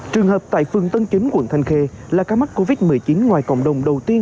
trường hợp tại phường tân kiếm quận thanh khê là ca mắc covid một mươi chín ngoài cộng đồng đầu tiên